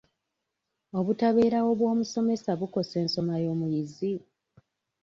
Obutabeerawo bw'omusomesa bukosa ensoma y'omuyizi?